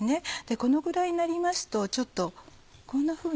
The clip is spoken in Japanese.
このぐらいになりますとこんなふうに。